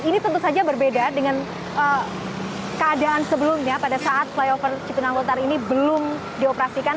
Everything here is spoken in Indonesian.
ini tentu saja berbeda dengan keadaan sebelumnya pada saat flyover cipinang lontar ini belum dioperasikan